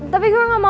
tapi gue gak mau kok